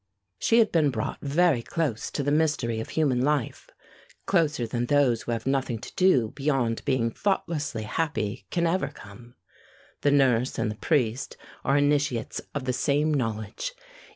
She had been brought very close to the mystery of human life, closer than those who have nothing to do beyond being thoughtlessly happy can ever come. The nurse and the priest are initiates of the same knowledge.